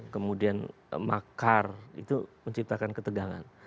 kemudian makar itu menciptakan ketegangan